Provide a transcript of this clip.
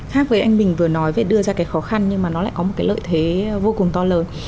khác với anh bình vừa nói về đưa ra cái khó khăn nhưng mà nó lại có một cái lợi thế vô cùng to lớn